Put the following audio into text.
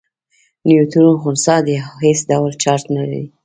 نیوټرون خنثی دی او هیڅ ډول چارچ نلري.